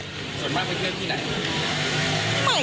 ส่วนมากไปเที่ยวที่ไหน